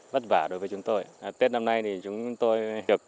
bất vả đối với chúng tôi